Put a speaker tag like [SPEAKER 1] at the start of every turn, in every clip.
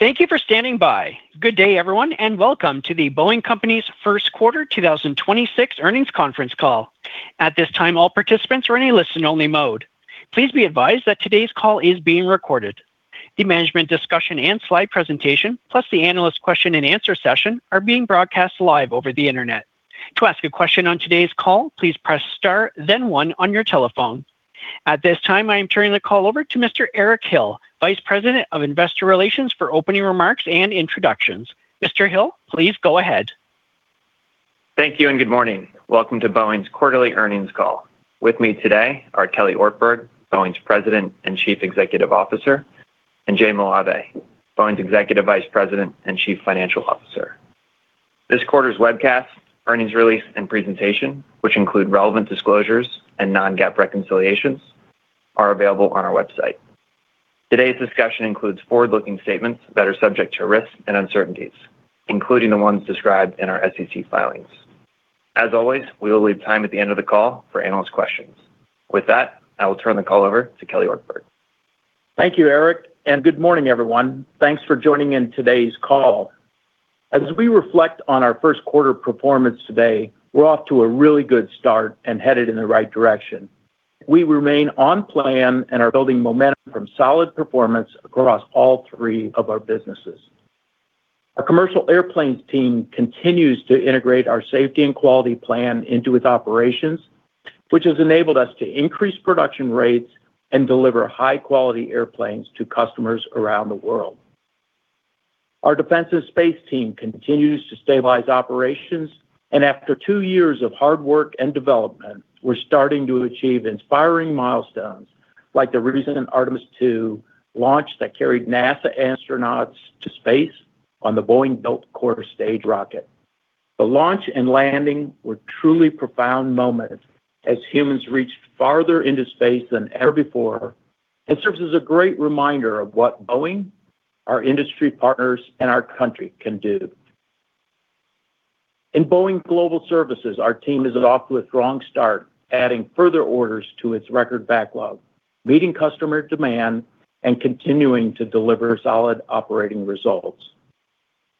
[SPEAKER 1] Thank you for standing by. Good day, everyone, and welcome to The Boeing Company’s first quarter 2026 earnings conference call. At this time, all participants are in a listen-only mode. Please be advised that today’s call is being recorded. The management discussion and slide presentation, plus the analyst question and answer session, are being broadcast live over the Internet. To ask a question on today’s call, please press star then one on your telephone. At this time, I am turning the call over to Mr. Erik Hill, Vice President of Investor Relations, for opening remarks and introductions. Mr. Hill, please go ahead.
[SPEAKER 2] Thank you and good morning. Welcome to Boeing's quarterly earnings call. With me today are Kelly Ortberg, Boeing's President and Chief Executive Officer, and Jay Malave, Boeing's Executive Vice President and Chief Financial Officer. This quarter's webcast, earnings release, and presentation, which include relevant disclosures and non-GAAP reconciliations, are available on our website. Today's discussion includes forward-looking statements that are subject to risks and uncertainties, including the ones described in our SEC filings. As always, we will leave time at the end of the call for analyst questions. With that, I will turn the call over to Kelly Ortberg.
[SPEAKER 3] Thank you, Erik, and good morning, everyone. Thanks for joining in today's call. As we reflect on our first quarter performance today, we're off to a really good start and headed in the right direction. We remain on plan and are building momentum from solid performance across all three of our businesses. Our Commercial Airplanes team continues to integrate our safety and quality plan into its operations, which has enabled us to increase production rates and deliver high-quality airplanes to customers around the world. Our Defense and Space team continues to stabilize operations, and after two years of hard work and development, we're starting to achieve inspiring milestones, like the recent Artemis II launch that carried NASA astronauts to space on the Boeing-built core stage rocket. The launch and landing were truly profound moments as humans reached farther into space than ever before and serves as a great reminder of what Boeing, our industry partners, and our country can do. In Boeing Global Services, our team is off to a strong start, adding further orders to its record backlog, meeting customer demand, and continuing to deliver solid operating results.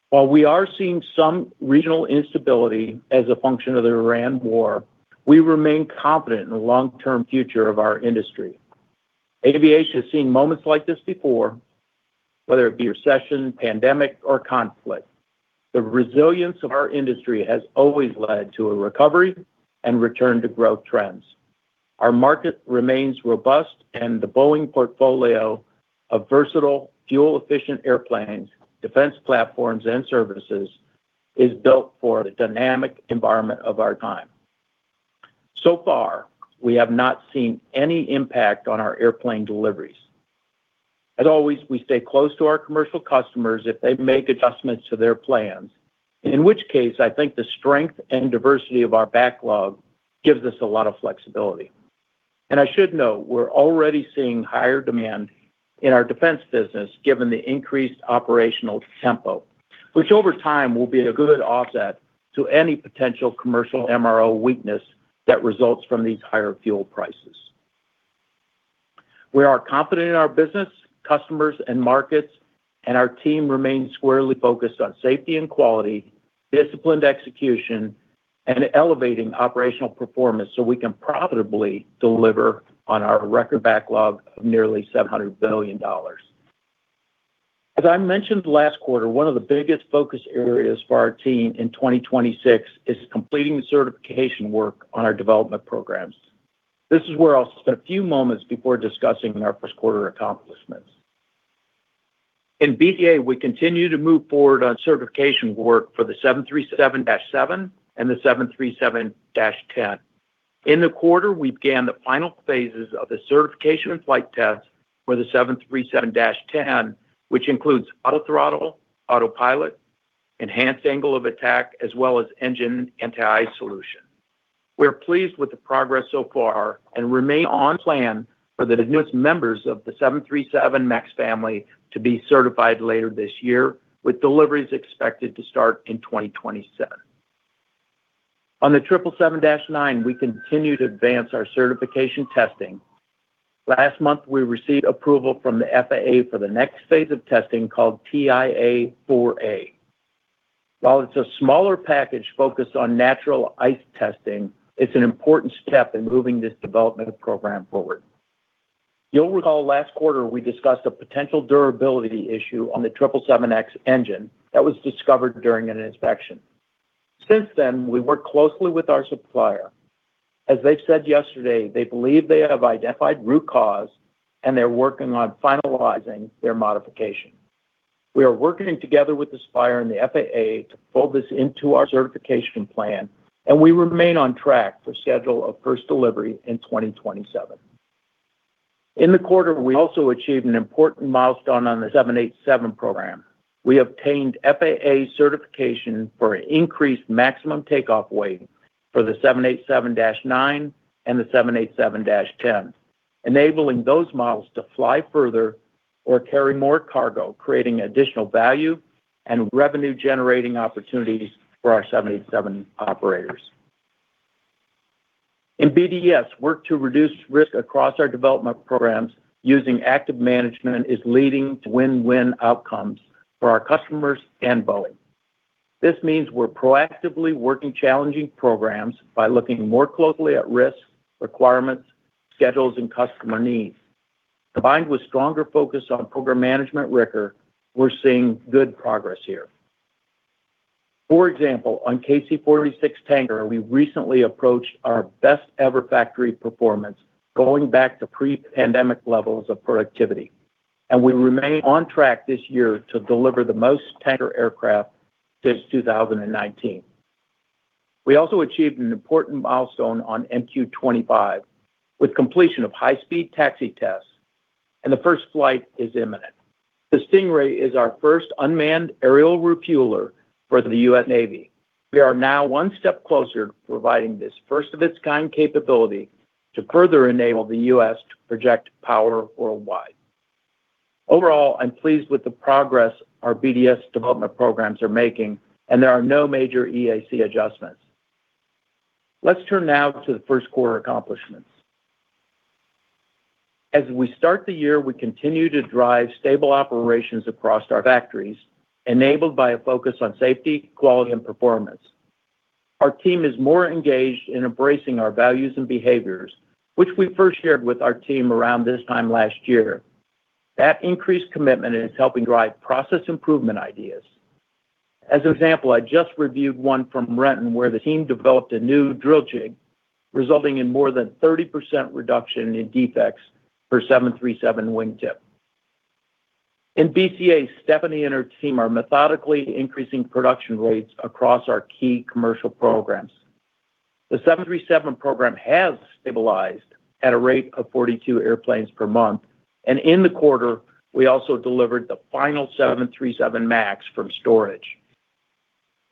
[SPEAKER 3] While we are seeing some regional instability as a function of the Iran war, we remain confident in the long-term future of our industry. Aviation has seen moments like this before, whether it be recession, pandemic, or conflict. The resilience of our industry has always led to a recovery and return to growth trends. Our market remains robust, and the Boeing portfolio of versatile, fuel-efficient airplanes, defense platforms, and services is built for the dynamic environment of our time. So far, we have not seen any impact on our airplane deliveries. As always, we stay close to our commercial customers if they make adjustments to their plans, in which case I think the strength and diversity of our backlog gives us a lot of flexibility. I should note, we're already seeing higher demand in our defense business given the increased operational tempo, which over time will be a good offset to any potential commercial MRO weakness that results from these higher fuel prices. We are confident in our business, customers, and markets, and our team remains squarely focused on safety and quality, disciplined execution, and elevating operational performance so we can profitably deliver on our record backlog of nearly $700 billion. As I mentioned last quarter, one of the biggest focus areas for our team in 2026 is completing the certification work on our development programs. This is where I'll spend a few moments before discussing our first quarter accomplishments. In BCA, we continue to move forward on certification work for the 737-7 and the 737-10. In the quarter, we began the final phases of the certification and flight tests for the 737-10, which includes auto-throttle, autopilot, enhanced angle of attack, as well as engine anti-ice solution. We're pleased with the progress so far and remain on plan for the newest members of the 737 MAX family to be certified later this year, with deliveries expected to start in 2027. On the 777-9, we continue to advance our certification testing. Last month, we received approval from the FAA for the next phase of testing called TIA 4A. While it's a smaller package focused on natural ice testing, it's an important step in moving this development program forward. You'll recall last quarter we discussed a potential durability issue on the 777X engine that was discovered during an inspection. Since then, we've worked closely with our supplier. As they've said yesterday, they believe they have identified root cause, and they're working on finalizing their modification. We are working together with the supplier and the FAA to fold this into our certification plan, and we remain on track for schedule of first delivery in 2027. In the quarter, we also achieved an important milestone on the 787 program. We obtained FAA certification for an increased maximum takeoff weight for the 787-9 and the 787-10, enabling those models to fly further or carry more cargo, creating additional value and revenue-generating opportunities for our 787 operators. In BDS, work to reduce risk across our development programs using active management is leading to win-win outcomes for our customers and Boeing. This means we're proactively working challenging programs by looking more closely at risk, requirements, schedules, and customer needs. Combined with stronger focus on program management rigor, we're seeing good progress here. For example, on KC-46 Tanker, we recently approached our best ever factory performance, going back to pre-pandemic levels of productivity, and we remain on track this year to deliver the most tanker aircraft since 2019. We also achieved an important milestone on MQ-25 with completion of high-speed taxi tests, and the first flight is imminent. The Stingray is our first unmanned aerial refueler for the U.S. Navy. We are now one step closer to providing this first-of-its-kind capability to further enable the U.S. to project power worldwide. Overall, I'm pleased with the progress our BDS development programs are making, and there are no major EAC adjustments. Let's turn now to the first quarter accomplishments. As we start the year, we continue to drive stable operations across our factories, enabled by a focus on safety, quality, and performance. Our team is more engaged in embracing our values and behaviors, which we first shared with our team around this time last year. That increased commitment is helping drive process improvement ideas. As an example, I just reviewed one from Renton where the team developed a new drill jig, resulting in more than 30% reduction in defects per 737 wing tip. In BCA, Stephanie and her team are methodically increasing production rates across our key commercial programs. The 737 program has stabilized at a rate of 42 airplanes per month, and in the quarter, we also delivered the final 737 MAX from storage.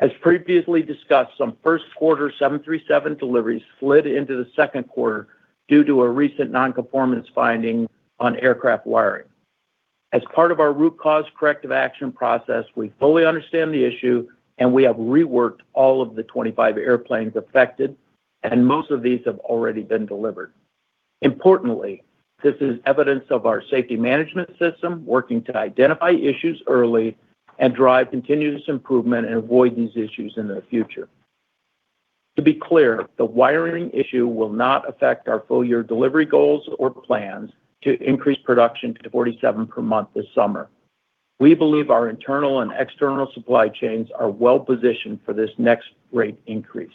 [SPEAKER 3] As previously discussed, some first quarter 737 deliveries slid into the second quarter due to a recent nonconformance finding on aircraft wiring. As part of our root cause corrective action process, we fully understand the issue, and we have reworked all of the 25 airplanes affected, and most of these have already been delivered. Importantly, this is evidence of our safety management system working to identify issues early and drive continuous improvement and avoid these issues in the future. To be clear, the wiring issue will not affect our full-year delivery goals or plans to increase production to 47 per month this summer. We believe our internal and external supply chains are well-positioned for this next rate increase.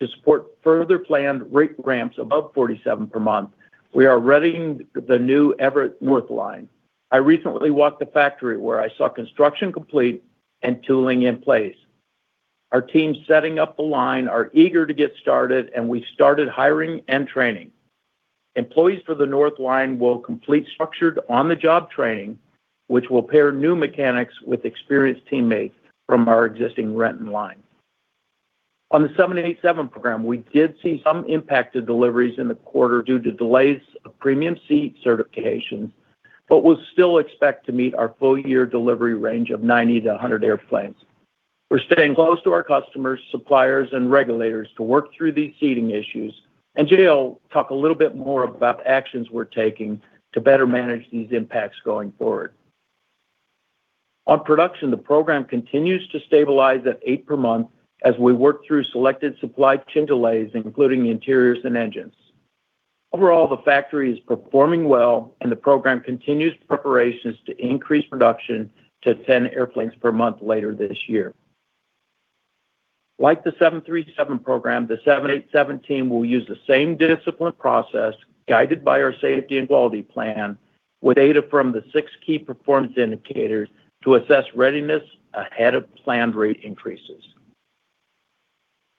[SPEAKER 3] To support further planned rate ramps above 47 per month, we are readying the new Everett North Line. I recently walked the factory, where I saw construction complete and tooling in place. Our teams setting up the line are eager to get started, and we started hiring and training. Employees for the North Line will complete structured on-the-job training, which will pair new mechanics with experienced teammates from our existing Renton line. On the 787 program, we did see some impact to deliveries in the quarter due to delays of premium seat certifications, but we still expect to meet our full-year delivery range of 90-100 airplanes. We're staying close to our customers, suppliers, and regulators to work through these seating issues, and Jay will talk a little bit more about the actions we're taking to better manage these impacts going forward. On production, the program continues to stabilize at eight per month as we work through selected supply chain delays, including interiors and engines. Overall, the factory is performing well, and the program continues preparations to increase production to 10 airplanes per month later this year. Like the 737 program, the 787 team will use the same disciplined process guided by our safety and quality plan with data from the six key performance indicators to assess readiness ahead of planned rate increases.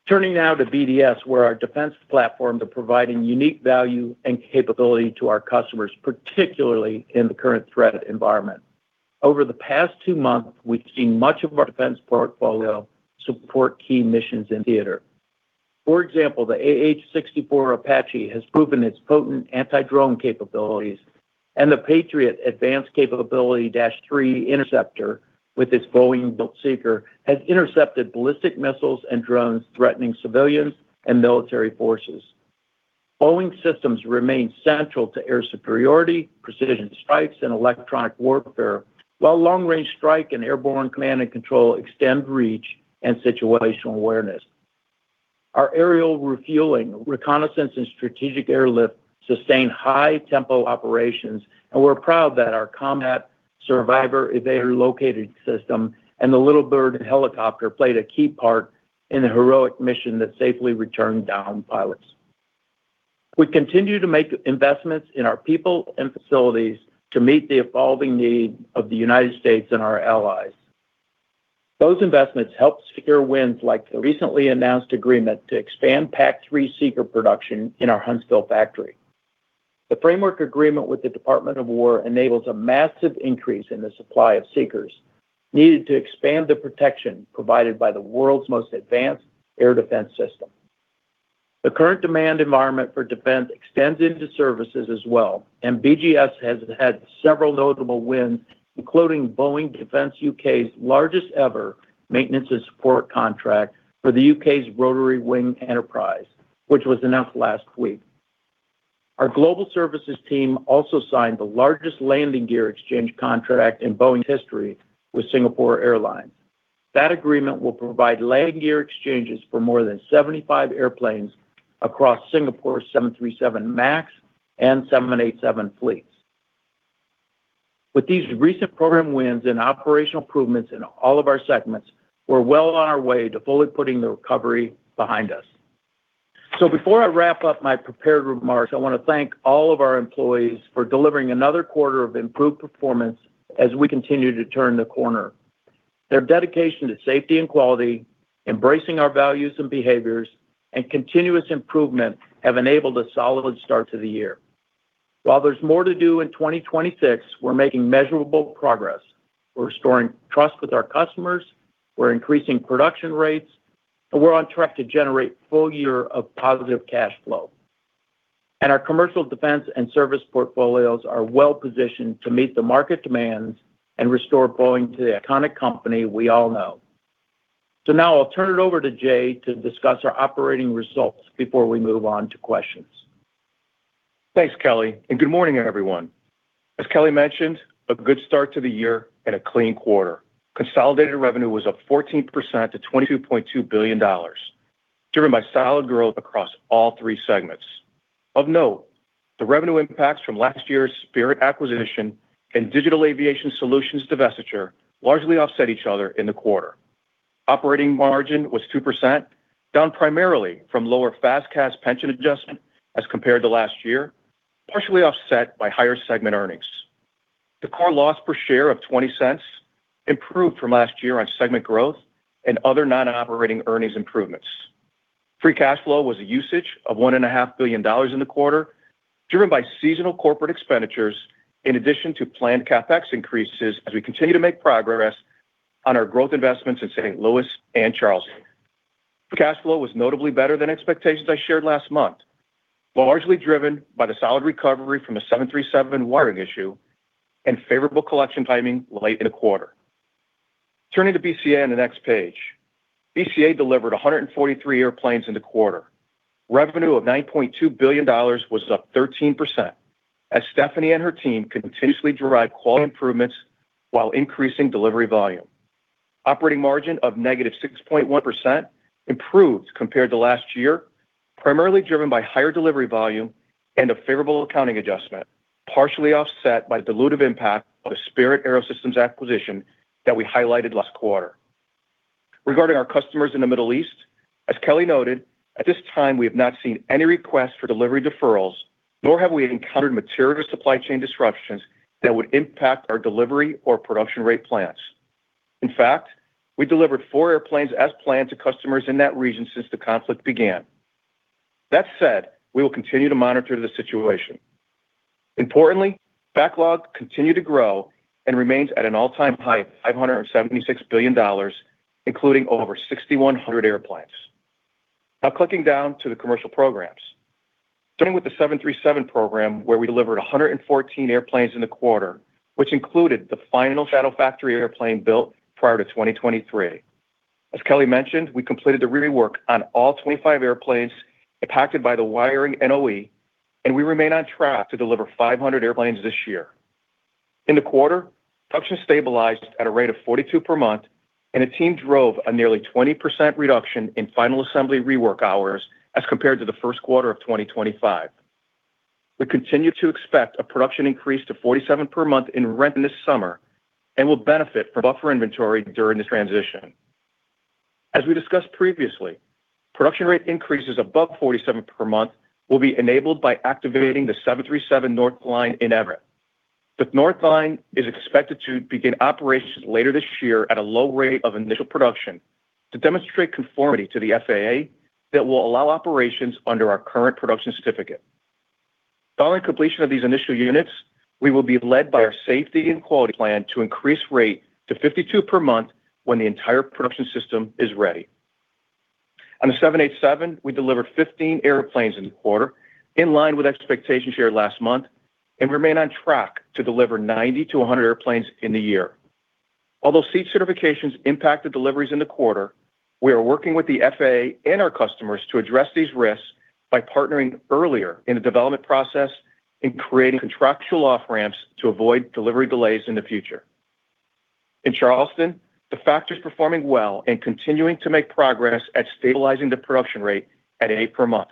[SPEAKER 3] Turning now to BDS, where our defense platforms are providing unique value and capability to our customers, particularly in the current threat environment. Over the past two months, we've seen much of our defense portfolio support key missions in theater. For example, the AH-64 Apache has proven its potent anti-drone capabilities, and the Patriot Advanced Capability-3 interceptor with its Boeing-built seeker has intercepted ballistic missiles and drones threatening civilians and military forces. Boeing systems remain central to air superiority, precision strikes, and electronic warfare, while long-range strike and airborne command and control extend reach and situational awareness. Our aerial refueling, reconnaissance, and strategic airlift sustain high-tempo operations, and we're proud that our Combat Survivor Evader Locator system and the Little Bird helicopter played a key part in the heroic mission that safely returned downed pilots. We continue to make investments in our people and facilities to meet the evolving need of the United States and our allies. Those investments help secure wins like the recently announced agreement to expand PAC-3 seeker production in our Huntsville factory. The framework agreement with the Department of Defense enables a massive increase in the supply of seekers needed to expand the protection provided by the world's most advanced air-defense system. The current demand environment for defense extends into services as well, and BGS has had several notable wins, including Boeing Defence UK largest ever maintenance and support contract for the UK's Rotary Wing Enterprise, which was announced last week. Our global services team also signed the largest landing gear exchange contract in Boeing's history with Singapore Airlines. That agreement will provide landing gear exchanges for more than 75 airplanes across Singapore's 737 MAX and 787 fleets. With these recent program wins and operational improvements in all of our segments, we're well on our way to fully putting the recovery behind us. Before I wrap up my prepared remarks, I want to thank all of our employees for delivering another quarter of improved performance as we continue to turn the corner. Their dedication to safety and quality, embracing our values and behaviors, and continuous improvement have enabled a solid start to the year. While there's more to do in 2026, we're making measurable progress. We're restoring trust with our customers, we're increasing production rates, and we're on track to generate a full year of positive cash flow. Our commercial defense and service portfolios are well-positioned to meet the market demands and restore Boeing to the iconic company we all know. Now I'll turn it over to Jay to discuss our operating results before we move on to questions.
[SPEAKER 4] Thanks, Kelly, and good morning, everyone. As Kelly mentioned, a good start to the year and a clean quarter. Consolidated revenue was up 14% to $22.2 billion, driven by solid growth across all three segments. Of note, the revenue impacts from last year's Spirit AeroSystems acquisition and Digital Aviation Solutions divestiture largely offset each other in the quarter. Operating margin was 2%, down primarily from lower FAS/CAS pension adjustment as compared to last year, partially offset by higher segment earnings. The core loss per share of $0.20 improved from last year on segment growth and other non-operating earnings improvements. Free cash flow was a usage of $1.5 billion in the quarter, driven by seasonal corporate expenditures in addition to planned CapEx increases as we continue to make progress on our growth investments in St. Louis and Charleston. The cash flow was notably better than expectations I shared last month, largely driven by the solid recovery from the 737 wiring issue and favorable collection timing late in the quarter. Turning to BCA on the next page. BCA delivered 143 airplanes in the quarter. Revenue of $9.2 billion was up 13%, as Stephanie and her team continuously derive quality improvements while increasing delivery volume. Operating margin of -6.1% improved compared to last year, primarily driven by higher delivery volume and a favorable accounting adjustment, partially offset by the dilutive impact of the Spirit AeroSystems acquisition that we highlighted last quarter. Regarding our customers in the Middle East, as Kelly noted, at this time, we have not seen any requests for delivery deferrals, nor have we encountered material supply chain disruptions that would impact our delivery or production rate plans. In fact, we delivered four airplanes as planned to customers in that region since the conflict began. That said, we will continue to monitor the situation. Importantly, backlogs continue to grow and remains at an all-time high of $576 billion, including over 6,100 airplanes. Now drilling down to the commercial programs. Starting with the 737 program, where we delivered 114 airplanes in the quarter, which included the final shadow factory airplane built prior to 2023. As Kelly mentioned, we completed the rework on all 25 airplanes impacted by the wiring NOE, and we remain on track to deliver 500 airplanes this year. In the quarter, production stabilized at a rate of 42 per month, and the team drove a nearly 20% reduction in final assembly rework hours as compared to the first quarter of 2025. We continue to expect a production increase to 47 per month in Renton this summer and will benefit from buffer inventory during this transition. As we discussed previously, production rate increases above 47 per month will be enabled by activating the 737 North Line in Everett. The North Line is expected to begin operations later this year at a low rate of initial production to demonstrate conformity to the FAA that will allow operations under our current production certificate. Following completion of these initial units, we will be led by our safety and quality plan to increase rate to 52 per month when the entire production system is ready. On the 787, we delivered 15 airplanes in the quarter, in line with expectations shared last month, and remain on track to deliver 90-100 airplanes in the year. Although seat certifications impacted deliveries in the quarter, we are working with the FAA and our customers to address these risks by partnering earlier in the development process and creating contractual off-ramps to avoid delivery delays in the future. In Charleston, the factory's performing well and continuing to make progress at stabilizing the production rate at eight per month.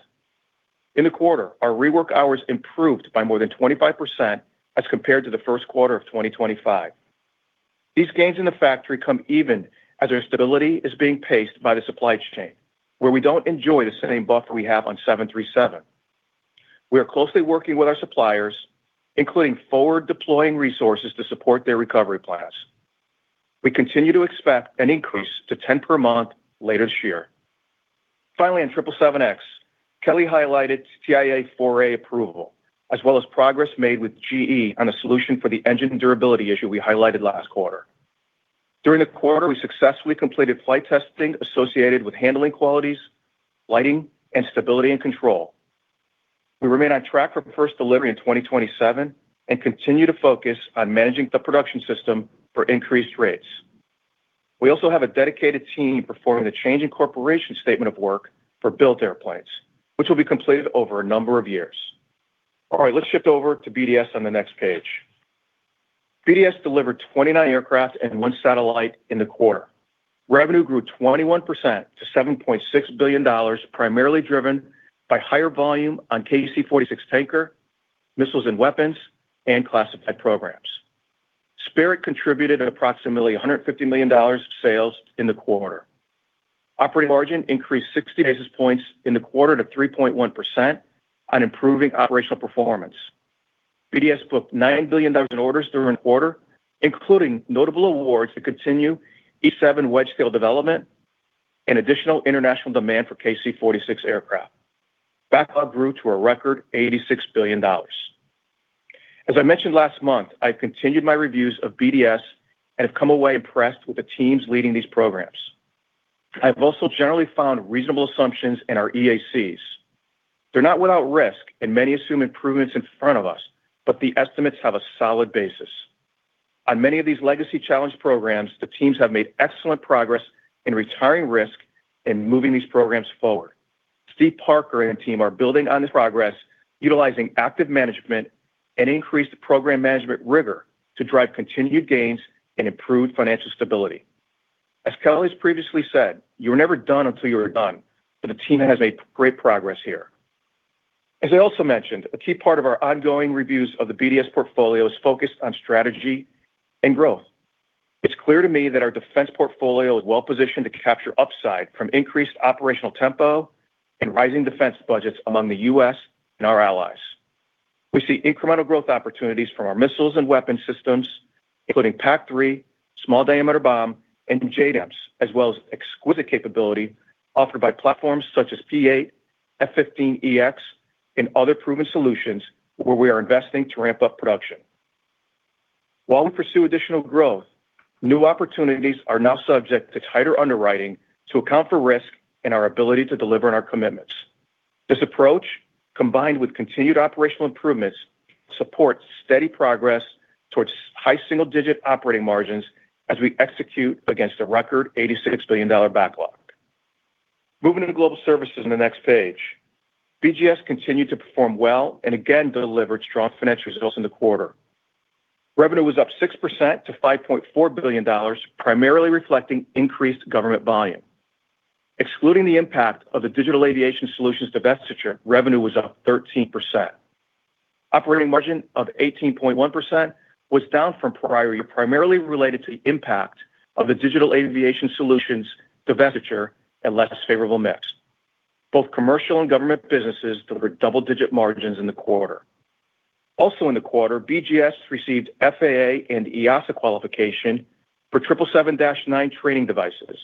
[SPEAKER 4] In the quarter, our rework hours improved by more than 25% as compared to the first quarter of 2025. These gains in the factory come even as our stability is being paced by the supply chain, where we don't enjoy the same buffer we have on 737. We are closely working with our suppliers, including forward deploying resources to support their recovery plans. We continue to expect an increase to 10 per month later this year. Finally, on 777X, Kelly highlighted TIA 4A approval, as well as progress made with GE on a solution for the engine durability issue we highlighted last quarter. During the quarter, we successfully completed flight testing associated with handling qualities, lighting, and stability and control. We remain on track for first delivery in 2027 and continue to focus on managing the production system for increased rates. We also have a dedicated team performing the change incorporation statement of work for built airplanes, which will be completed over a number of years. All right, let's shift over to BDS on the next page. BDS delivered 29 aircraft and one satellite in the quarter. Revenue grew 21% to $7.6 billion, primarily driven by higher volume on KC-46 tanker, missiles and weapons, and classified programs. Spirit contributed approximately $150 million sales in the quarter. Operating margin increased 60 basis points in the quarter to 3.1% on improving operational performance. BDS booked $9 billion in orders during the quarter, including notable awards to continue E-7 Wedgetail development and additional international demand for KC-46 aircraft. Backlog grew to a record $86 billion. As I mentioned last month, I've continued my reviews of BDS and have come away impressed with the teams leading these programs. I've also generally found reasonable assumptions in our EACs. They're not without risk, and many assume improvements in front of us, but the estimates have a solid basis. On many of these legacy challenge programs, the teams have made excellent progress in retiring risk and moving these programs forward. Steve Parker and team are building on this progress, utilizing active management and increased program management rigor to drive continued gains and improved financial stability. As Kelly's previously said, you are never done until you are done, but the team has made great progress here. As I also mentioned, a key part of our ongoing reviews of the BDS portfolio is focused on strategy and growth. It's clear to me that our defense portfolio is well-positioned to capture upside from increased operational tempo and rising defense budgets among the U.S. and our allies. We see incremental growth opportunities from our missiles and weapon systems, including PAC-3, Small Diameter Bomb, and JDAMs, as well as exquisite capability offered by platforms such as P-8, F-15EX, and other proven solutions where we are investing to ramp up production. While we pursue additional growth, new opportunities are now subject to tighter underwriting to account for risk and our ability to deliver on our commitments. This approach, combined with continued operational improvements, supports steady progress towards high single-digit operating margins as we execute against a record $86 billion backlog. Moving into Global Services on the next page. BGS continued to perform well and again delivered strong financial results in the quarter. Revenue was up 6% to $5.4 billion, primarily reflecting increased government volume. Excluding the impact of the Digital Aviation Solutions divestiture, revenue was up 13%. Operating margin of 18.1% was down from prior year, primarily related to the impact of the Digital Aviation Solutions divestiture and less favorable mix. Both commercial and government businesses delivered double-digit margins in the quarter. Also in the quarter, BGS received FAA and EASA qualification for 777-9 training devices,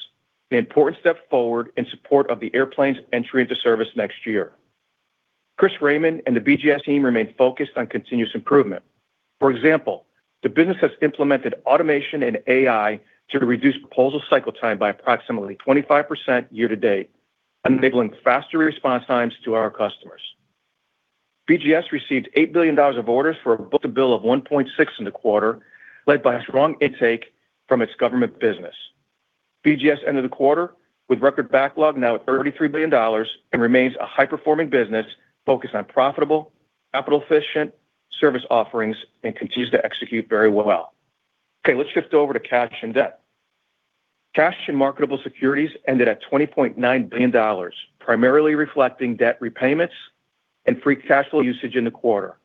[SPEAKER 4] an important step forward in support of the airplane's entry into service next year. Chris Raymond and the BGS team remain focused on continuous improvement. For example, the business has implemented automation and AI to reduce proposal cycle time by approximately 25% year-to-date, enabling faster response times to our customers. BGS received $8 billion of orders for a book-to-bill of 1.6 in the quarter, led by a strong intake from its government business. BGS ended the quarter with record backlog now at $33 billion and remains a high-performing business focused on profitable, capital-efficient service offerings and continues to execute very well. Okay, let's shift over to cash and debt. Cash and marketable securities ended at $20.9 billion, primarily reflecting debt repayments and free cash flow usage in the quarter.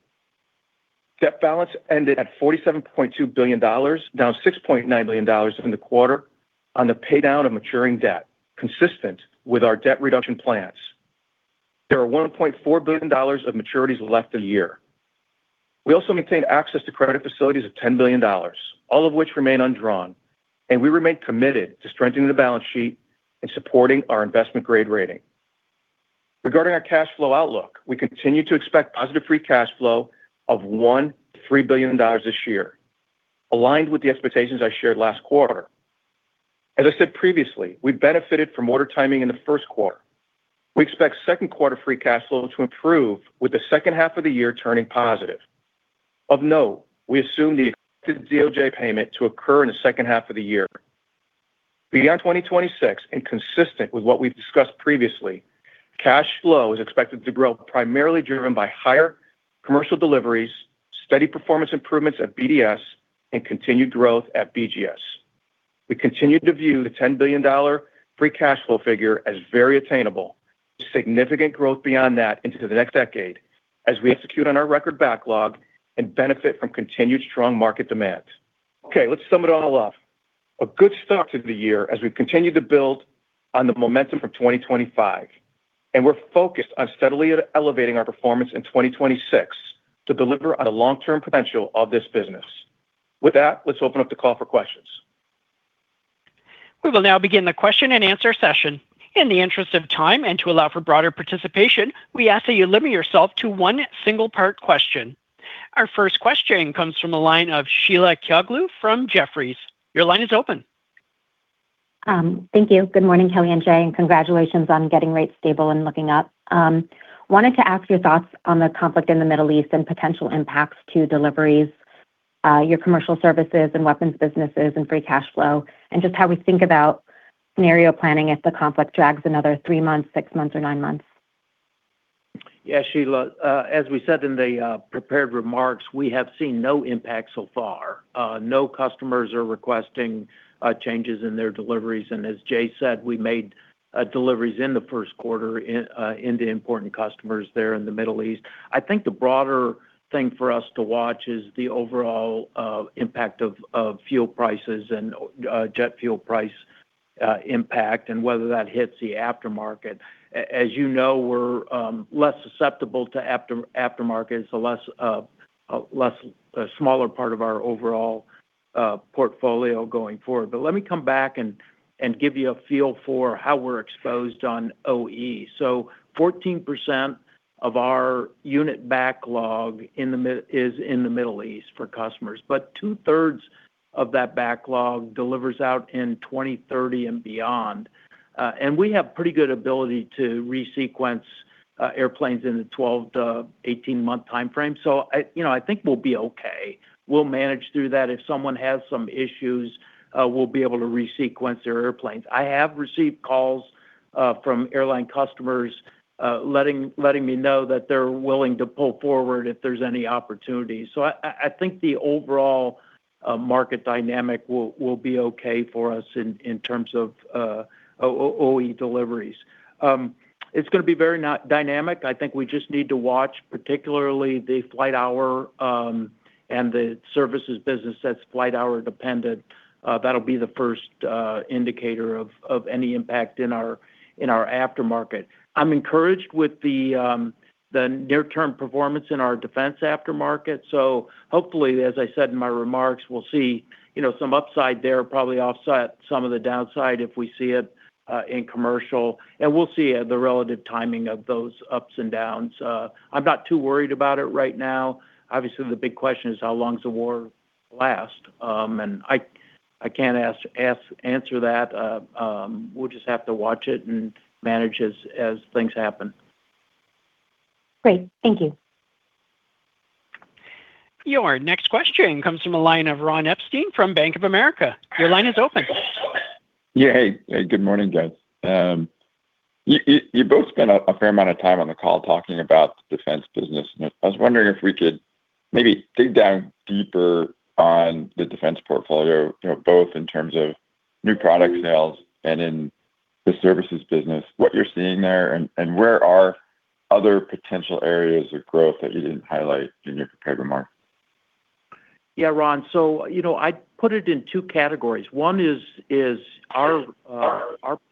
[SPEAKER 4] Debt balance ended at $47.2 billion, down $6.9 billion in the quarter on the pay-down of maturing debt, consistent with our debt reduction plans. There are $1.4 billion of maturities left in the year. We also maintain access to credit facilities of $10 billion, all of which remain undrawn, and we remain committed to strengthening the balance sheet and supporting our investment-grade rating. Regarding our cash flow outlook, we continue to expect positive free cash flow of $1 billion-$3 billion this year, aligned with the expectations I shared last quarter. As I said previously, we benefited from order timing in the first quarter. We expect second quarter free cash flow to improve, with the second half of the year turning positive. Of note, we assume the expected DOJ payment to occur in the second half of the year. Beyond 2026, and consistent with what we've discussed previously, cash flow is expected to grow primarily driven by higher commercial deliveries, steady performance improvements at BDS, and continued growth at BGS. We continue to view the $10 billion free cash flow figure as very attainable, with significant growth beyond that into the next decade as we execute on our record backlog and benefit from continued strong market demands. Okay, let's sum it all up. A good start to the year as we continue to build on the momentum from 2025, and we're focused on steadily elevating our performance in 2026 to deliver on the long-term potential of this business. With that, let's open up the call for questions.
[SPEAKER 1] We will now begin the question and answer session. In the interest of time and to allow for broader participation, we ask that you limit yourself to one single part question. Our first question comes from the line of Sheila Kahyaoglu from Jefferies. Your line is open.
[SPEAKER 5] Thank you. Good morning, Kelly and Jay, and congratulations on getting rates stable and looking up. I wanted to ask your thoughts on the conflict in the Middle East and potential impacts to deliveries, your commercial services and weapons businesses, and free cash flow, and just how we think about scenario planning if the conflict drags another three months, six months, or nine months?
[SPEAKER 3] Yeah, Sheila. As we said in the prepared remarks, we have seen no impact so far. No customers are requesting changes in their deliveries. As Jay said, we made deliveries in the first quarter into important customers there in the Middle East. I think the broader thing for us to watch is the overall impact of fuel prices and jet fuel price impact and whether that hits the aftermarket. As you know, we're less susceptible to aftermarket. It's a smaller part of our overall portfolio going forward. Let me come back and give you a feel for how we're exposed on OE. 14% of our unit backlog is in the Middle East for customers, but 2/3 of that backlog delivers out in 2030 and beyond. We have pretty good ability to resequence airplanes in the 12-18-month timeframe. I think we'll be okay. We'll manage through that. If someone has some issues, we'll be able to resequence their airplanes. I have received calls from airline customers letting me know that they're willing to pull forward if there's any opportunity. I think the overall market dynamic will be okay for us in terms of OE deliveries. It's going to be very dynamic. I think we just need to watch particularly the flight hour and the services business that's flight hour dependent. That'll be the first indicator of any impact in our aftermarket. I'm encouraged with the near-term performance in our defense aftermarket. Hopefully, as I said in my remarks, we'll see some upside there, probably offset some of the downside if we see it in commercial, and we'll see the relative timing of those ups and downs. I'm not too worried about it right now. Obviously, the big question is how long does the war last? I can't answer that. We'll just have to watch it and manage as things happen.
[SPEAKER 5] Great. Thank you.
[SPEAKER 1] Your next question comes from the line of Ron Epstein from Bank of America. Your line is open.
[SPEAKER 6] Yeah. Hey. Good morning, guys. You both spent a fair amount of time on the call talking about the defense business, and I was wondering if we could maybe dig down deeper on the defense portfolio, both in terms of new product sales and in the services business, what you're seeing there, and where are other potential areas of growth that you didn't highlight in your prepared remarks?
[SPEAKER 3] Yeah. Ron, I'd put it in two categories. One is our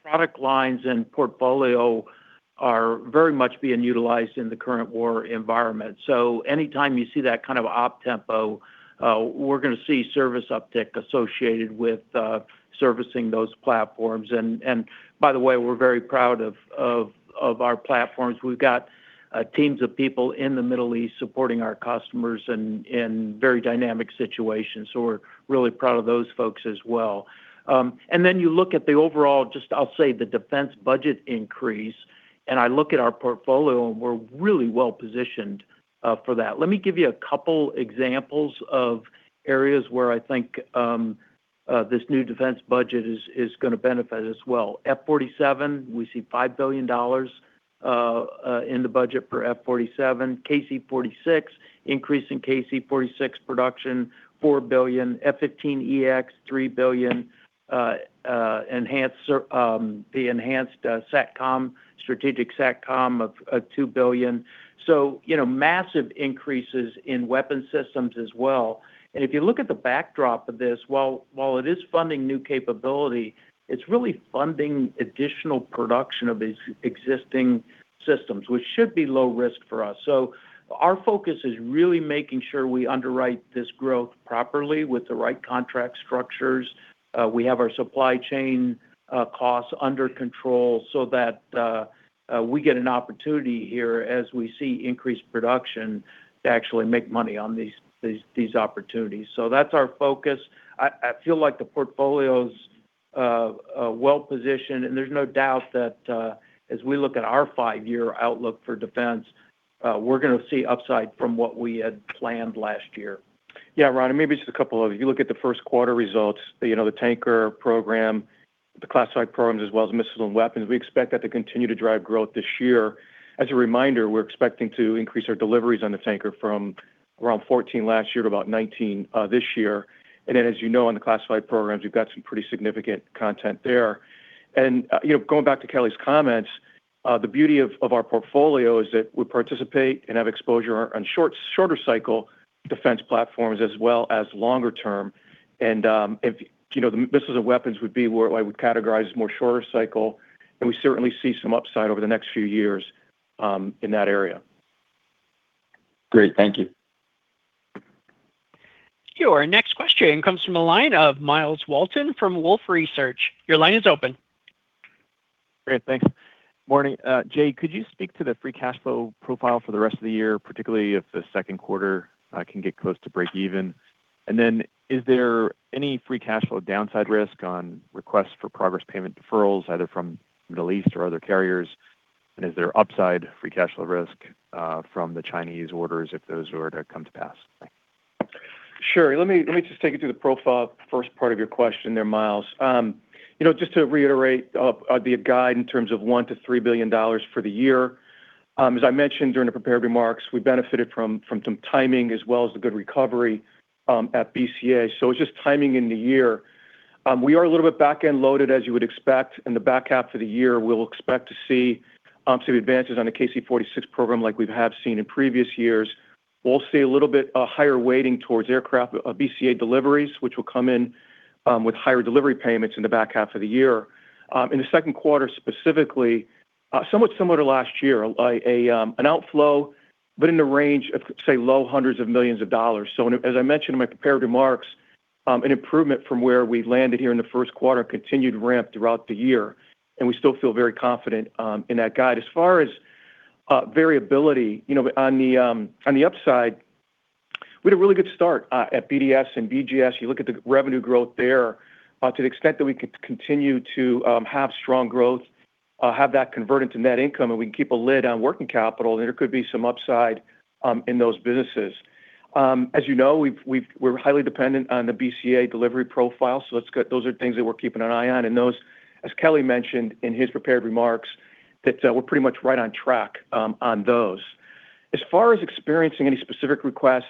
[SPEAKER 3] product lines and portfolio are very much being utilized in the current war environment. Anytime you see that kind of op tempo, we're going to see service uptick associated with servicing those platforms. By the way, we're very proud of our platforms. We've got teams of people in the Middle East supporting our customers in very dynamic situations. We're really proud of those folks as well. Then you look at the overall, just I'll say the defense budget increase, and I look at our portfolio, and we're really well-positioned for that. Let me give you a couple examples of areas where I think this new defense budget is going to benefit as well. F-47, we see $5 billion in the budget for F-47. KC-46, increase in KC-46 production, $4 billion. F-15EX, $3 billion. The enhanced SATCOM, strategic SATCOM of $2 billion. Massive increases in weapon systems as well. If you look at the backdrop of this, while it is funding new capability, it's really funding additional production of existing systems, which should be low risk for us. Our focus is really making sure we underwrite this growth properly with the right contract structures. We have our supply chain costs under control so that we get an opportunity here as we see increased production to actually make money on these opportunities. That's our focus. I feel like the portfolio's well-positioned, and there's no doubt that as we look at our five-year outlook for defense, we're going to see upside from what we had planned last year.
[SPEAKER 4] Yeah, Ron, maybe just a couple of. You look at the first quarter results, the tanker program, the classified programs, as well as missiles and weapons. We expect that to continue to drive growth this year. As a reminder, we're expecting to increase our deliveries on the tanker from around 14 last year to about 19 this year. Then as you know, on the classified programs, we've got some pretty significant content there. Going back to Kelly's comments, the beauty of our portfolio is that we participate and have exposure on shorter cycle defense platforms as well as longer term. The missiles and weapons would be where I would categorize more shorter cycle, and we certainly see some upside over the next few years in that area.
[SPEAKER 6] Great. Thank you.
[SPEAKER 1] Your next question comes from the line of Myles Walton from Wolfe Research. Your line is open.
[SPEAKER 7] Great. Thanks. Morning. Jay, could you speak to the free cash flow profile for the rest of the year, particularly if the second quarter can get close to break even? Is there any free cash flow downside risk on requests for progress payment deferrals, either from Middle East or other carriers? Is there upside free cash flow risk from the Chinese orders if those were to come to pass? Thanks.
[SPEAKER 4] Sure. Let me just take you through the profile, first part of your question there, Myles. Just to reiterate the guide in terms of $1 billion-$3 billion for the year, as I mentioned during the prepared remarks, we benefited from some timing as well as the good recovery at BCA. It's just timing in the year. We are a little bit back-end loaded, as you would expect. In the back half of the year, we'll expect to see some advances on the KC-46 program like we have seen in previous years. We'll see a little bit higher weighting towards aircraft, BCA deliveries, which will come in with higher delivery payments in the back half of the year. In the second quarter specifically, somewhat similar to last year, an outflow, but in the range of, say, low hundreds of millions of dollars. As I mentioned in my prepared remarks, an improvement from where we landed here in the first quarter, continued ramp throughout the year, and we still feel very confident in that guide. As far as variability, on the upside, we had a really good start at BDS and BGS. You look at the revenue growth there. To the extent that we could continue to have strong growth, have that convert into net income, and we can keep a lid on working capital, there could be some upside in those businesses. As you know, we're highly dependent on the BCA delivery profile, so those are things that we're keeping an eye on. Those, as Kelly mentioned in his prepared remarks, that we're pretty much right on track on those. As far as experiencing any specific requests,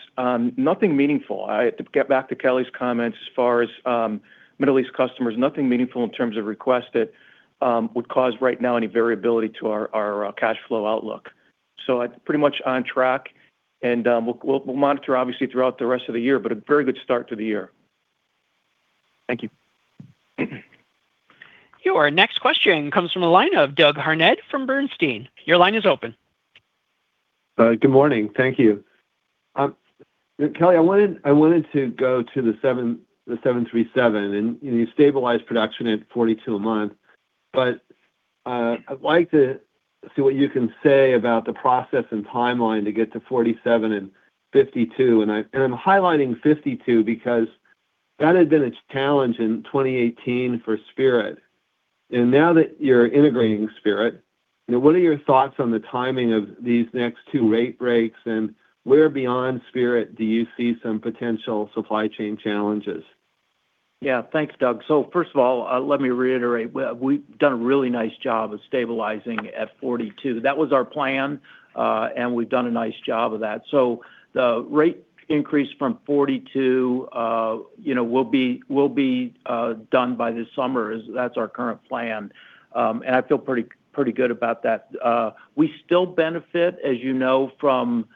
[SPEAKER 4] nothing meaningful. To get back to Kelly's comments as far as Middle East customers, nothing meaningful in terms of requests that would cause right now any variability to our cash flow outlook. Pretty much on track, and we'll monitor obviously throughout the rest of the year, but a very good start to the year.
[SPEAKER 7] Thank you.
[SPEAKER 1] Our next question comes from the line of Doug Harned from Bernstein. Your line is open.
[SPEAKER 8] Good morning. Thank you. Kelly, I wanted to go to the 737, and you stabilized production at 42 a month. I'd like to see what you can say about the process and timeline to get to 47 and 52, and I'm highlighting 52 because that had been a challenge in 2018 for Spirit. Now that you're integrating Spirit, what are your thoughts on the timing of these next two rate breaks, and where beyond Spirit do you see some potential supply chain challenges?
[SPEAKER 3] Yeah. Thanks, Doug. First of all, let me reiterate, we've done a really nice job of stabilizing at 42. That was our plan, and we've done a nice job of that. The rate increase from 42 will be done by this summer. That's our current plan. I feel pretty good about that. We still benefit, as you know, from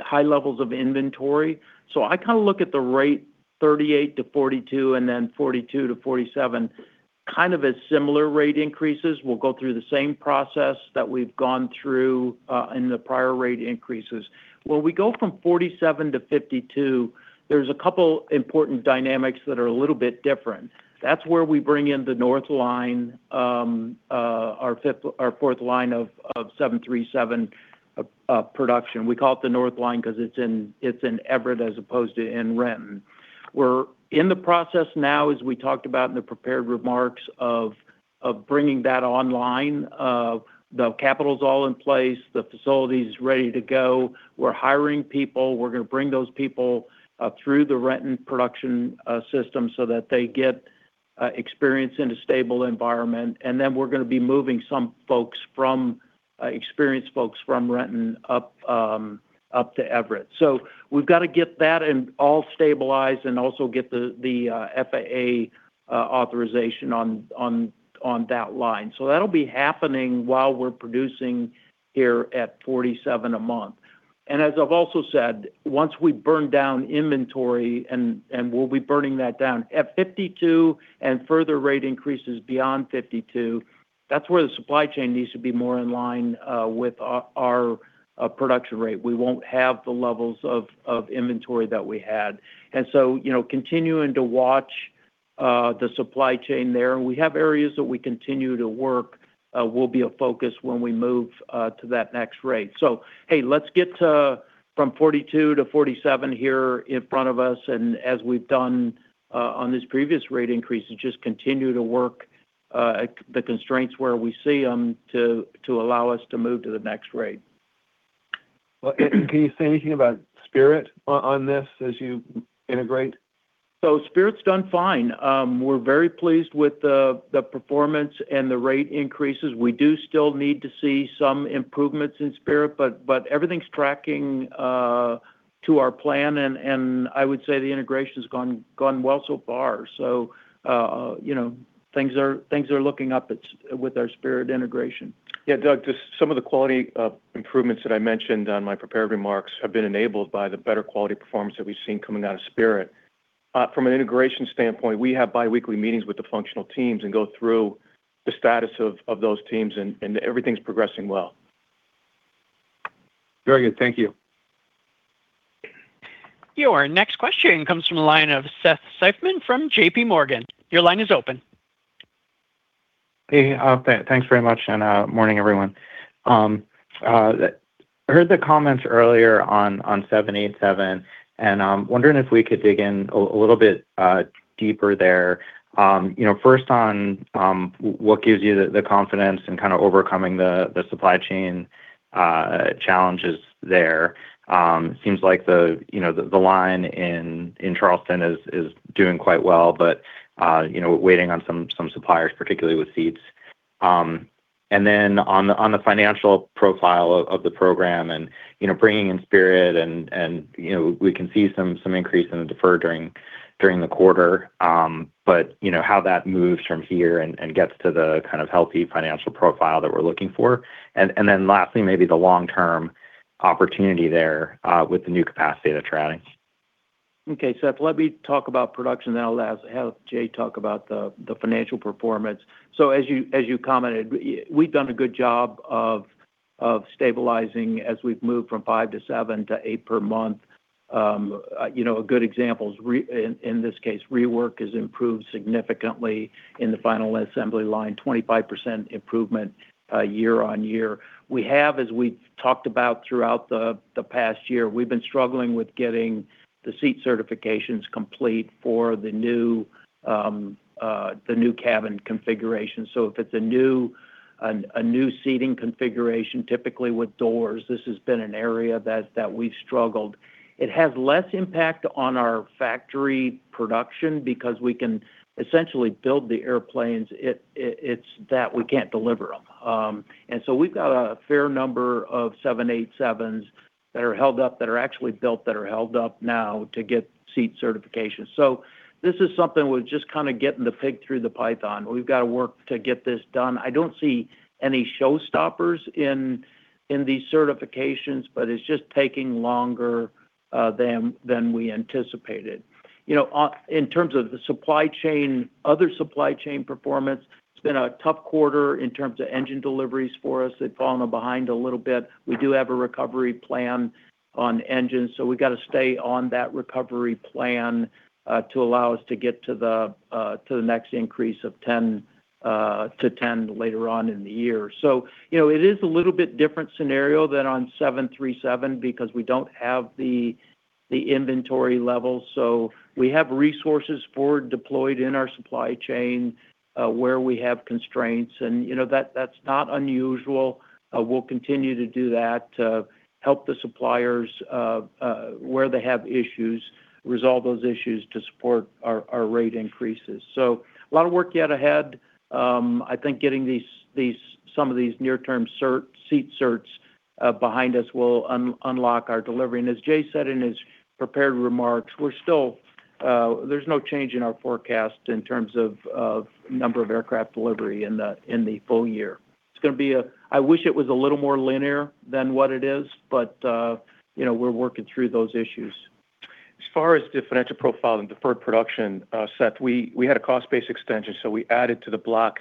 [SPEAKER 3] high levels of inventory. I look at the rate 38 to 42 and then 42 to 47 as similar rate increases. We'll go through the same process that we've gone through in the prior rate increases. Where we go from 47 to 52, there's a couple important dynamics that are a little bit different. That's where we bring in the North Line, our fourth line of 737 production. We call it the North Line because it's in Everett as opposed to in Renton. We're in the process now, as we talked about in the prepared remarks, of bringing that online. The capital's all in place. The facility's ready to go. We're hiring people. We're going to bring those people through the Renton production system so that they get experience in a stable environment. We're going to be moving some experienced folks from Renton up to Everett. We've got to get that all stabilized and also get the FAA authorization on that line. That'll be happening while we're producing here at 47 a month. As I've also said, once we burn down inventory, and we'll be burning that down at 52 and further rate increases beyond 52, that's where the supply chain needs to be more in line with our production rate. We won't have the levels of inventory that we had. Continuing to watch the supply chain there, and we have areas that we continue to work will be a focus when we move to that next rate. Hey, let's get from 42 to 47 here in front of us, and as we've done on these previous rate increases, just continue to work the constraints where we see them to allow us to move to the next rate.
[SPEAKER 8] Well, can you say anything about Spirit on this as you integrate?
[SPEAKER 3] Spirit's done fine. We're very pleased with the performance and the rate increases. We do still need to see some improvements in Spirit, but everything's tracking to our plan, and I would say the integration's gone well so far. Things are looking up with our Spirit integration.
[SPEAKER 4] Yeah, Doug, just some of the quality improvements that I mentioned on my prepared remarks have been enabled by the better quality performance that we've seen coming out of Spirit. From an integration standpoint, we have biweekly meetings with the functional teams and go through the status of those teams, and everything's progressing well.
[SPEAKER 8] Very good. Thank you.
[SPEAKER 1] Your next question comes from the line of Seth Seifman from JPMorgan. Your line is open.
[SPEAKER 9] Hey. Thanks very much, and good morning, everyone. I heard the comments earlier on the 787, and I'm wondering if we could dig in a little bit deeper there. First on what gives you the confidence in kind of overcoming the supply chain challenges there. It seems like the line in Charleston is doing quite well, but waiting on some suppliers, particularly with seats. Then on the financial profile of the program and bringing in Spirit, and we can see some increase in the deferral during the quarter. How that moves from here and gets to the kind of healthy financial profile that we're looking for. Then lastly, maybe the long-term opportunity there with the new capacity at Renton.
[SPEAKER 3] Okay, Seth, let me talk about production, then I'll have Jay talk about the financial performance. As you commented, we've done a good job of stabilizing as we've moved from five to seven to eight per month. A good example is, in this case, rework has improved significantly in the final assembly line, 25% improvement year-over-year. We have, as we've talked about throughout the past year, we've been struggling with getting the seat certifications complete for the new cabin configuration. If it's a new seating configuration, typically with doors, this has been an area that we've struggled. It has less impact on our factory production because we can essentially build the airplanes, it's that we can't deliver them. We've got a fair number of 787s that are held up, that are actually built, that are held up now to get seat certification. This is something we're just kind of getting the pig through the python. We've got to work to get this done. I don't see any showstoppers in these certifications, but it's just taking longer than we anticipated. In terms of the other supply chain performance, it's been a tough quarter in terms of engine deliveries for us. They've fallen behind a little bit. We do have a recovery plan on engines, so we've got to stay on that recovery plan to allow us to get to the next increase of 10 to 10 later on in the year. It is a little bit different scenario than on 737 because we don't have the inventory levels. We have resources forward deployed in our supply chain where we have constraints, and that's not unusual. We'll continue to do that to help the suppliers, where they have issues, resolve those issues to support our rate increases. A lot of work yet ahead. I think getting some of these near-term seat certs behind us will unlock our delivery. As Jay said in his prepared remarks, there's no change in our forecast in terms of number of aircraft delivery in the full year. I wish it was a little more linear than what it is, but we're working through those issues.
[SPEAKER 4] As far as the financial profile and deferred production, Seth, we had a cost base extension, so we added to the block,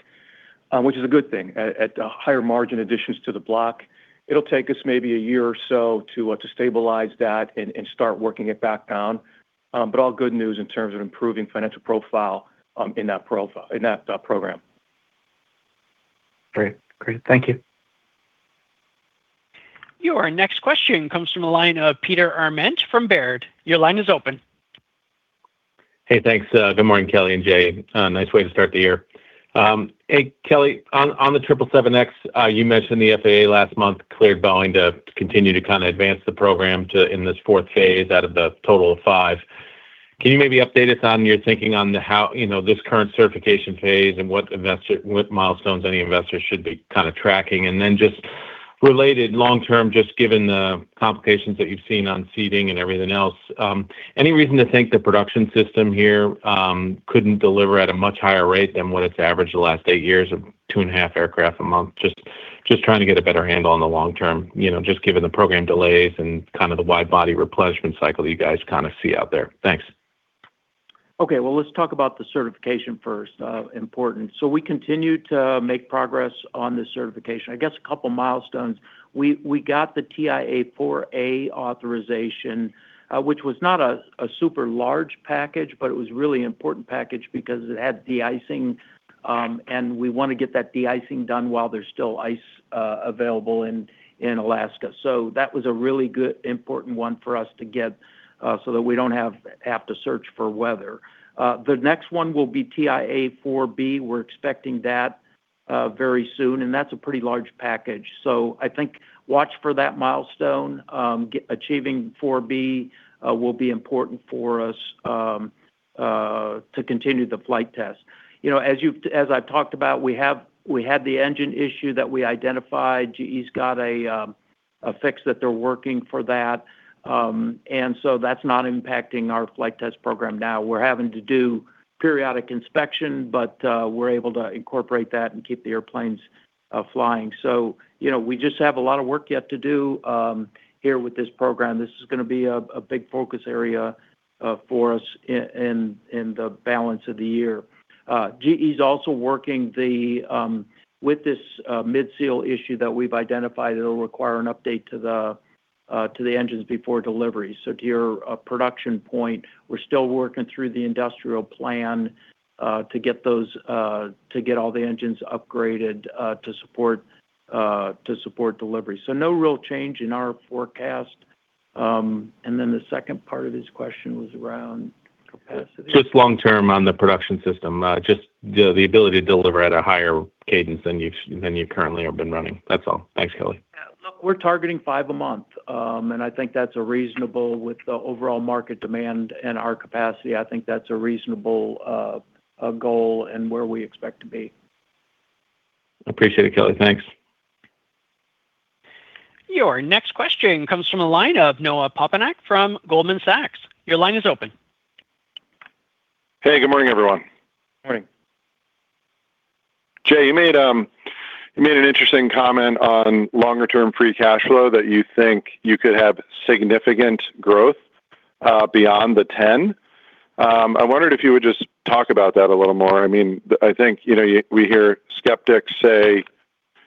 [SPEAKER 4] which is a good thing. At higher margin additions to the block, it'll take us maybe a year or so to stabilize that and start working it back down. But all good news in terms of improving financial profile in that program.
[SPEAKER 9] Great. Thank you.
[SPEAKER 1] Your next question comes from the line of Peter Arment from Baird. Your line is open.
[SPEAKER 10] Hey, thanks. Good morning, Kelly and Jay. Nice way to start the year. Hey, Kelly, on the 777X, you mentioned the FAA last month cleared Boeing to continue to advance the program in this fourth phase out of the total of five. Can you maybe update us on your thinking on this current certification phase and what milestones any investors should be kind of tracking? Just related long-term, just given the complications that you've seen on seating and everything else, any reason to think the production system here couldn't deliver at a much higher rate than what it's averaged the last eight years of 2.5 aircraft a month? Just trying to get a better handle on the long term, just given the program delays and kind of the wide-body replenishment cycle you guys kind of see out there. Thanks.
[SPEAKER 3] Okay. Well, let's talk about the certification first. Important. We continue to make progress on this certification. I guess a couple of milestones. We got the TIA 4A authorization, which was not a super large package, but it was really important package because it had de-icing, and we want to get that de-icing done while there's still ice available in Alaska. That was a really good, important one for us to get so that we don't have to search for weather. The next one will be TIA 4B. We're expecting that very soon, and that's a pretty large package. I think watch for that milestone. Achieving 4B will be important for us to continue the flight test. As I've talked about, we had the engine issue that we identified. GE's got a fix that they're working for that. That's not impacting our flight test program now. We're having to do periodic inspection, but we're able to incorporate that and keep the airplanes flying. we just have a lot of work yet to do here with this program. This is going to be a big focus area for us in the balance of the year. GE's also working with this mid-seal issue that we've identified that'll require an update to the engines before delivery. To your production point, we're still working through the industrial plan to get all the engines upgraded to support delivery. No real change in our forecast. Then the second part of this question was around capacity.
[SPEAKER 10] Just long term on the production system, just the ability to deliver at a higher cadence than you currently have been running. That's all. Thanks, Kelly.
[SPEAKER 3] Look, we're targeting five a month. With the overall market demand and our capacity, I think that's a reasonable goal and where we expect to be.
[SPEAKER 10] Appreciate it, Kelly. Thanks.
[SPEAKER 1] Your next question comes from the line of Noah Poponak from Goldman Sachs. Your line is open.
[SPEAKER 11] Hey, good morning, everyone.
[SPEAKER 4] Morning.
[SPEAKER 11] Jay, you made an interesting comment on longer term free cash flow that you think you could have significant growth beyond the 10. I wondered if you would just talk about that a little more. I think we hear skeptics say,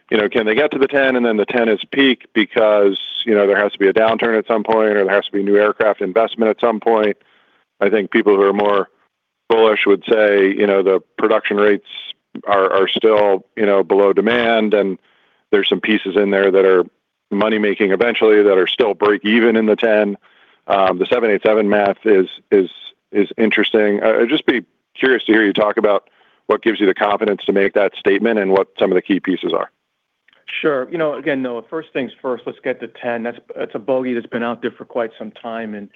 [SPEAKER 11] "Can they get to the 10, and then the 10 is peak because there has to be a downturn at some point or there has to be new aircraft investment at some point?" I think people who are more bullish would say the production rates are still below demand, and there's some pieces in there that are money-making eventually that are still breakeven in the 10. The 787 math is interesting. I'd just be curious to hear you talk about what gives you the confidence to make that statement and what some of the key pieces are.
[SPEAKER 4] Sure. Again, Noah, first things first, let's get to 10. That's a bogey that's been out there for quite some time, and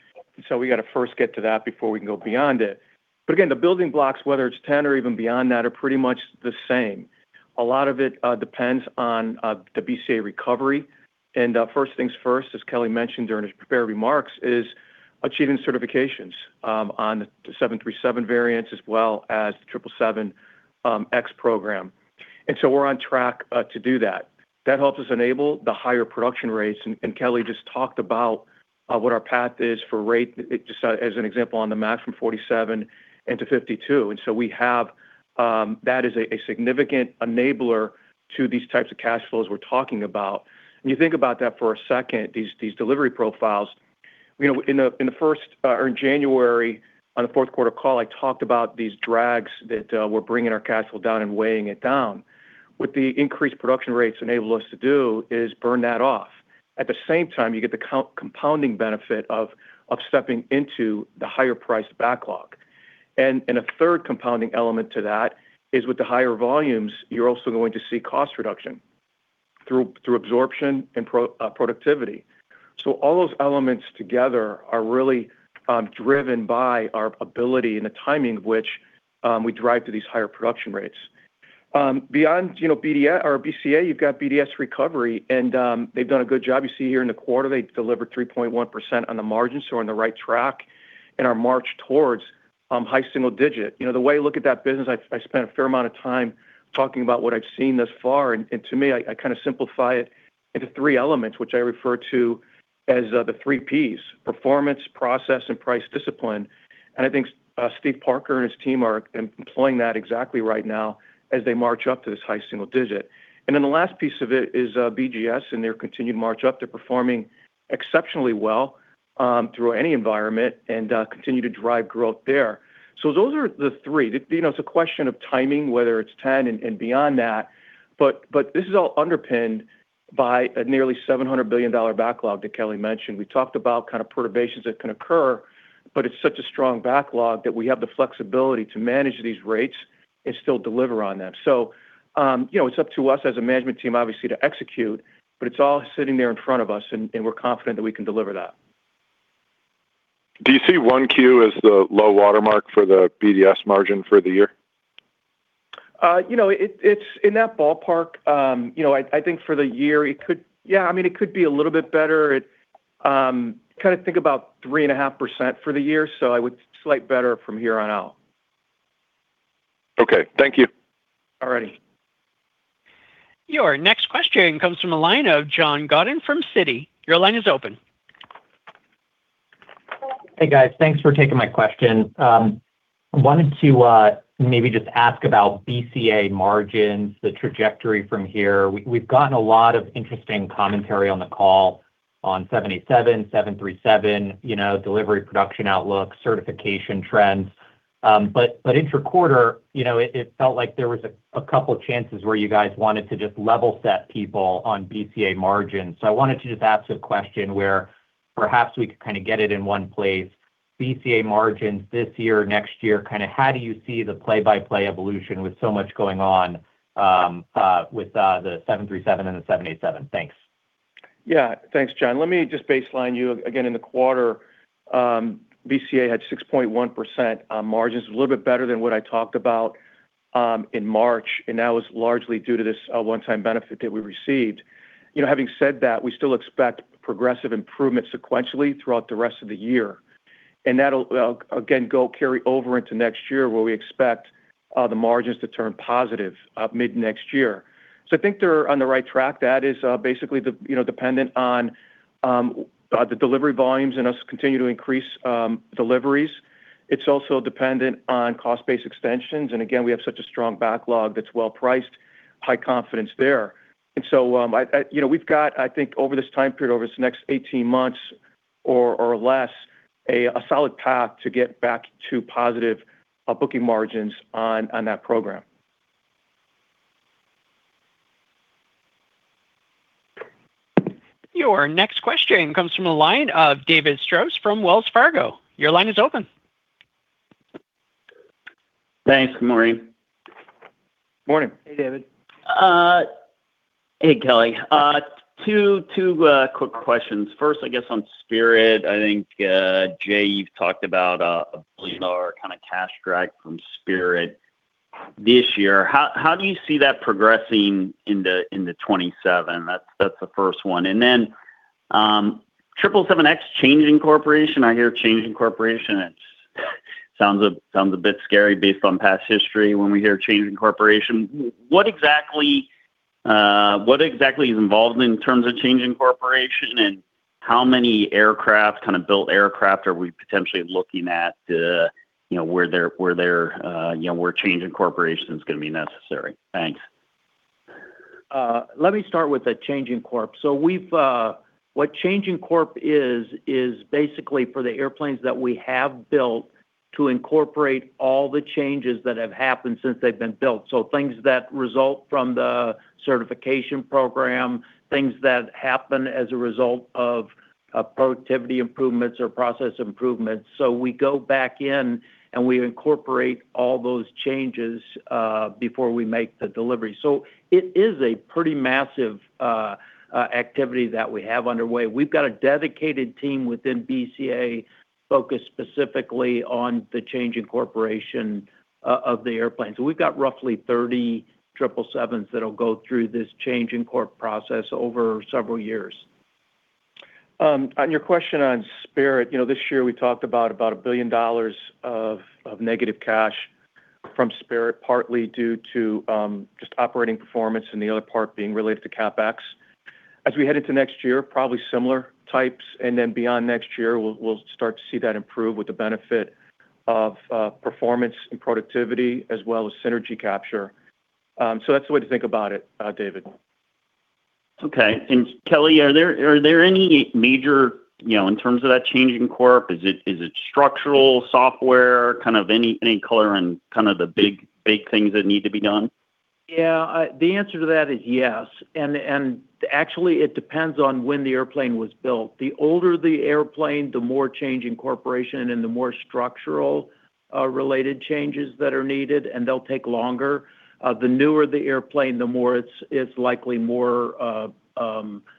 [SPEAKER 4] so we got to first get to that before we can go beyond it. Again, the building blocks, whether it's 10 or even beyond that, are pretty much the same. A lot of it depends on the BCA recovery. First things first, as Kelly mentioned during his prepared remarks, is achieving certifications on the 737 variants as well as the 777X program. We're on track to do that. That helps us enable the higher production rates. Kelly just talked about what our path is for rate, just as an example on the MAX from 47 into 52. That is a significant enabler to these types of cash flows we're talking about. When you think about that for a second, these delivery profiles, in January, on the fourth quarter call, I talked about these drags that were bringing our cash flow down and weighing it down. What the increased production rates enable us to do is burn that off. At the same time, you get the compounding benefit of stepping into the higher priced backlog. A third compounding element to that is with the higher volumes, you're also going to see cost reduction through absorption and productivity. All those elements together are really driven by our ability and the timing which we drive to these higher production rates. Beyond BCA, you've got BDS recovery, and they've done a good job. You see here in the quarter, they delivered 3.1% on the margins, so we're on the right track in our march towards high single digit. The way I look at that business, I spent a fair amount of time talking about what I've seen thus far. To me, I kind of simplify it into three elements, which I refer to as the three Ps, performance, process, and price discipline. I think Steve Parker and his team are employing that exactly right now as they march up to this high single digit. Then the last piece of it is BGS and their continued march up. They're performing exceptionally well through any environment and continue to drive growth there. Those are the three. It's a question of timing, whether it's 10 and beyond that. This is all underpinned by a nearly $700 billion backlog that Kelly mentioned. We talked about kind of perturbations that can occur, but it's such a strong backlog that we have the flexibility to manage these rates and still deliver on them. It's up to us as a management team, obviously, to execute, but it's all sitting there in front of us, and we're confident that we can deliver that.
[SPEAKER 11] Do you see 1Q as the low watermark for the BDS margin for the year?
[SPEAKER 4] It's in that ballpark. I think for the year, it could be a little bit better. Think about 3.5% for the year. I would slightly better from here on out.
[SPEAKER 11] Okay. Thank you.
[SPEAKER 4] All righty.
[SPEAKER 1] Your next question comes from the line of John Godin from Citi. Your line is open.
[SPEAKER 12] Hey, guys. Thanks for taking my question. I wanted to maybe just ask about BCA margins, the trajectory from here. We've gotten a lot of interesting commentary on the call on 787, 737, delivery production outlook, certification trends. Intra-quarter, it felt like there was a couple chances where you guys wanted to just level set people on BCA margins. I wanted to just ask a question where perhaps we could kind of get it in one place. BCA margins this year, next year, how do you see the play-by-play evolution with so much going on with the 737 and the 787? Thanks.
[SPEAKER 4] Yeah. Thanks, John. Let me just baseline you again. In the quarter, BCA had 6.1% margins, a little bit better than what I talked about in March, and that was largely due to this one-time benefit that we received. Having said that, we still expect progressive improvement sequentially throughout the rest of the year. That'll, again, carry over into next year, where we expect The margins to turn positive mid-next year. I think they're on the right track. That is basically dependent on the delivery volumes and us continue to increase deliveries. It's also dependent on cost-based extensions. Again, we have such a strong backlog that's well priced, high confidence there. We've got, I think, over this time period, over this next 18 months or less, a solid path to get back to positive booking margins on that program.
[SPEAKER 1] Your next question comes from the line of David Strauss from Wells Fargo. Your line is open.
[SPEAKER 13] Thanks. Good morning.
[SPEAKER 3] Morning.
[SPEAKER 4] Hey, David.
[SPEAKER 13] Hey, Kelly. Two quick questions. First, I guess on Spirit. I think, Jay, you've talked about a billion-dollar kind of cash drag from Spirit this year. How do you see that progressing into 2027? That's the first one. Then, 777X change incorporation, I hear change incorporation. It sounds a bit scary based on past history when we hear change incorporation. What exactly is involved in terms of change incorporation, and how many kind of built aircraft are we potentially looking at where change incorporation is going to be necessary? Thanks.
[SPEAKER 3] Let me start with the change incorporation. What change incorporation is basically for the airplanes that we have built to incorporate all the changes that have happened since they've been built, things that result from the certification program, things that happen as a result of productivity improvements or process improvements. We go back in and we incorporate all those changes before we make the delivery. It is a pretty massive activity that we have underway. We've got a dedicated team within BCA focused specifically on the change incorporation of the airplane. We've got roughly 30 777s that'll go through this change incorporation process over several years.
[SPEAKER 4] On your question on Spirit, this year we talked about $1 billion of negative cash from Spirit, partly due to just operating performance and the other part being related to CapEx. As we head into next year, probably similar types, and then beyond next year, we'll start to see that improve with the benefit of performance and productivity as well as synergy capture. So that's the way to think about it, David.
[SPEAKER 13] Okay. Kelly, are there any major, in terms of that change in corp, is it structural, software, kind of any color on kind of the big things that need to be done?
[SPEAKER 3] Yeah. The answer to that is yes. Actually, it depends on when the airplane was built. The older the airplane, the more change incorporation and the more structural related changes that are needed, and they'll take longer. The newer the airplane, the more it's likely more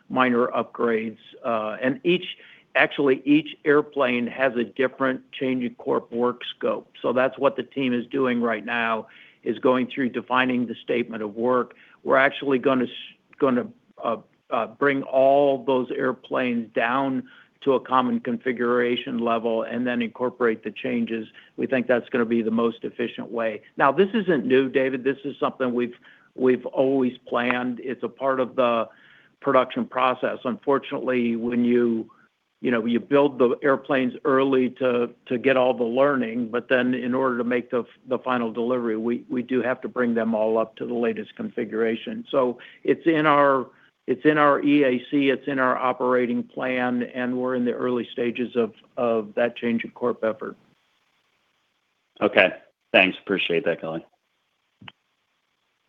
[SPEAKER 3] minor upgrades. Actually, each airplane has a different change incorporation work scope. That's what the team is doing right now, is going through defining the statement of work. We're actually going to bring all those airplanes down to a common configuration level and then incorporate the changes. We think that's going to be the most efficient way. Now, this isn't new, David. This is something we've always planned. It's a part of the production process. Unfortunately, when you build the airplanes early to get all the learning, but then in order to make the final delivery, we do have to bring them all up to the latest configuration. It's in our EAC, it's in our operating plan, and we're in the early stages of that change incorporation effort.
[SPEAKER 13] Okay. Thanks. Appreciate that, Kelly.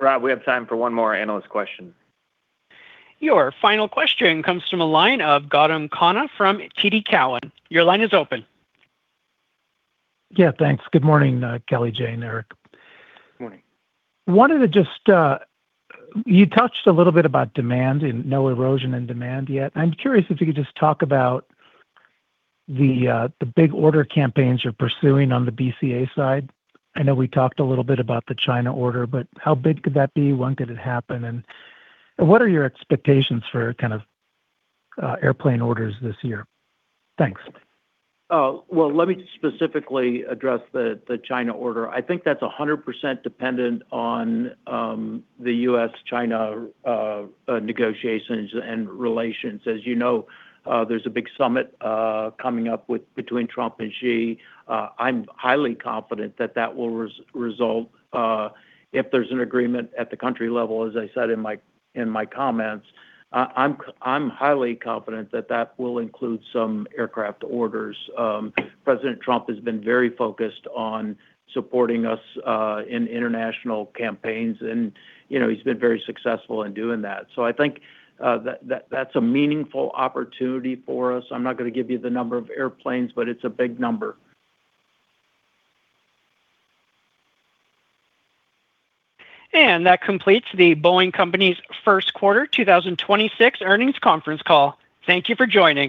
[SPEAKER 2] Rob, we have time for one more analyst question.
[SPEAKER 1] Your final question comes from the line of Gautam Khanna from TD Cowen. Your line is open.
[SPEAKER 14] Yeah. Thanks. Good morning, Kelly, Jay, and Erik.
[SPEAKER 3] Morning.
[SPEAKER 14] You touched a little bit about demand and no erosion in demand yet. I'm curious if you could just talk about the big order campaigns you're pursuing on the BCA side. I know we talked a little bit about the China order, but how big could that be? When could it happen? What are your expectations for kind of airplane orders this year? Thanks.
[SPEAKER 3] Oh. Well, let me specifically address the China order. I think that's 100% dependent on the U.S.-China negotiations and relations. As you know, there's a big summit coming up between Trump and Xi. I'm highly confident that that will result, if there's an agreement at the country level, as I said in my comments, I'm highly confident that that will include some aircraft orders. President Trump has been very focused on supporting us in international campaigns, and he's been very successful in doing that. So I think that's a meaningful opportunity for us. I'm not going to give you the number of airplanes, but it's a big number.
[SPEAKER 1] That completes The Boeing Company's first quarter 2026 earnings conference call. Thank you for joining.